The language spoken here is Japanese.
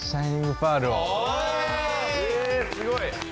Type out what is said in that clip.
えすごい。